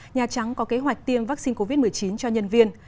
nhà trắng có kế hoạch tiêm vaccine covid một mươi chín cho nhân viên